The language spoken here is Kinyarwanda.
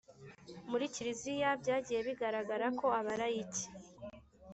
muri kiliziya.byagiye bigaragara ko abalayiki